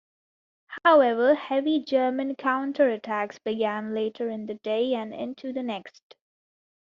However, heavy German counterattacks began later in the day and into the next.